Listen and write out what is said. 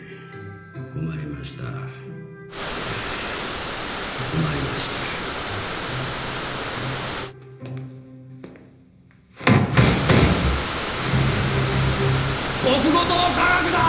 困りましたああ困りました国語とは科学だ！